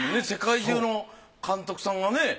世界中の監督さんがね